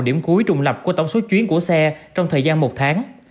điểm cuối trùng lập của tổng số chuyến của xe trong thời gian một tháng